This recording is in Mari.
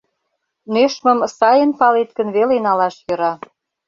Нӧшмым сайын палет гын веле налаш йӧра.